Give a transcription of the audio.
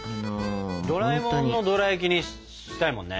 ドラえもんのドラやきにしたいもんね。